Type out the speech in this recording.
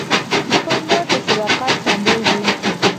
دوکاندار د صداقت سمبول دی.